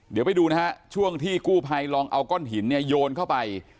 เดี๋ยวไปดูนะฮะช่วงที่กู้ภัยลองเอาก้อนหินเนี่ยโยนเข้าไป